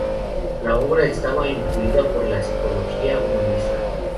La obra estaba influida por la psicología humanista.